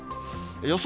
予想